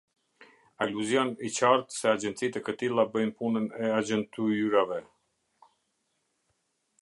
Aluzion i qartë se agjencitë e këtilla bëjnë punën e agjentuyrave.